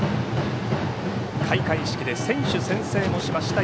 開会式で選手宣誓もしました